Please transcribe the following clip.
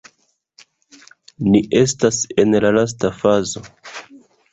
Ni estas en la lasta fazo